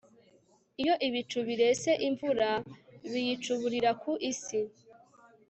iyo ibicu birese imvura, biyicuburira ku isi